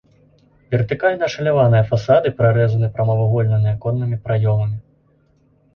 Вертыкальна ашаляваныя фасады прарэзаны прамавугольнымі аконнымі праёмамі.